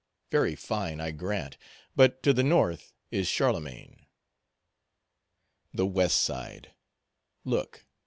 Very fine, I grant; but, to the north is Charlemagne. The west side, look.